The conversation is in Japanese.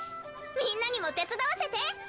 みんなにも手伝わせて！